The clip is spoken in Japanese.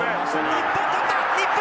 日本取った！